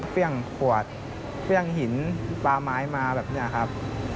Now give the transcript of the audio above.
เปรี้ยงขวดเปรี้ยงหินปลาไม้มาแบบนี้ครับ